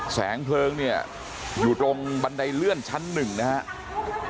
แสงเพลิงเนี่ยอยู่ตรงบันไดเลื่อนชั้นหนึ่งนะครับ